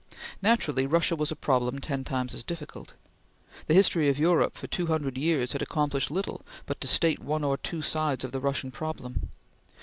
Naturally Russia was a problem ten times as difficult. The history of Europe for two hundred years had accomplished little but to state one or two sides of the Russian problem.